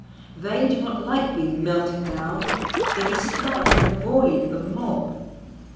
They do not like being melted down; they dislike and avoid the mob.